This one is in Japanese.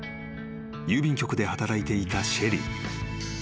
［郵便局で働いていたシェリー］